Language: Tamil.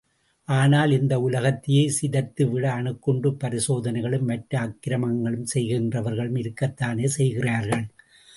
ஆனால் இந்த உலகத்தையே சிதைத்து விட அணுகுண்டு பரிசோதனைகளும், மற்ற அக்கிரமங்களும் செய்கின்றவர்களும் இருக்கத்தானே செய்கிறார்கள்?